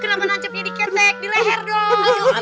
kenapa nancepnya di ketek di leher dong